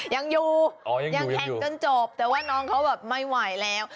ยังอยู่ยังแข่งจนจบแต่ว่าน้องเขาแบบไม่ไหวแล้ว